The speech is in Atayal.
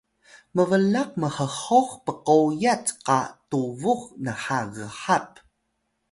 mblaq mhhox pqoyat qa tubux nha ghap